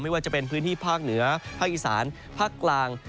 ว่าจะเป็นพื้นที่ภาคเหนือภาคอีสานภาคกลาง